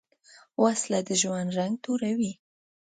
وسله د ژوند رنګ توروې